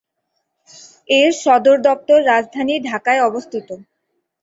এর সদরদপ্তর রাজধানী ঢাকায় অবস্থিত।